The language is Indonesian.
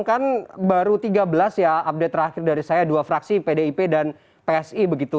kan baru tiga belas ya update terakhir dari saya dua fraksi pdip dan psi begitu